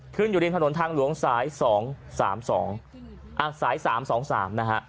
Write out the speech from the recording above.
อยู่ริมถนนทางหลวงสาย๒๓๒อ่ะสาย๓๒๓นะฮะ